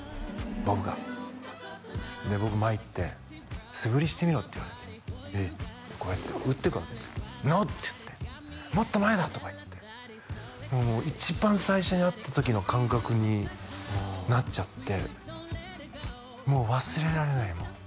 ボブがで僕前行って「素振りしてみろ」って言われてこうやって打ってからですよ「ノー！」って言って「もっと前だ！」とか言ってもう一番最初に会った時の感覚になっちゃってもう忘れられない